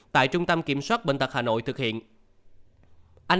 tại trung tâm kiểm soát bệnh tật hà nội thực hiện